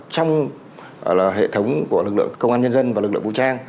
trong hệ thống của lực lượng công an nhân dân và lực lượng vũ trang